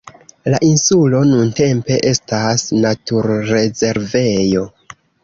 La insulo nuntempe estas naturrezervejo.